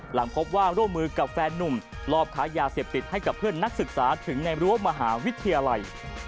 หลังพบว่าร่วมมือกับแฟนนุ่มรอบค้ายาเสพติดให้กับเพื่อนนักศึกษาถึงในรั้วมหาวิทยาลัย